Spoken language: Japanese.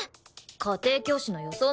家庭教師の予想